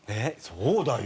そうだよ。